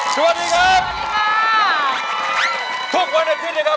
ทุกวันอาทิตย์นะครับ